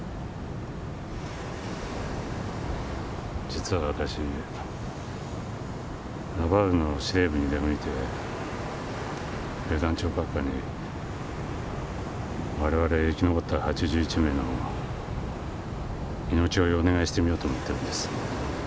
実は私ラバウルの司令部に出向いて兵団長閣下に我々生き残った８１名の命乞いをお願いしてみようと思ってるんです。